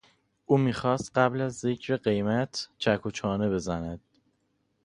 او میخواست قبل از ذکر قیمت چک و چانه بزند.